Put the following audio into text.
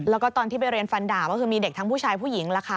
แล้วก็ตอนที่ไปเรียนฟันด่าก็คือมีเด็กทั้งผู้ชายผู้หญิงล่ะค่ะ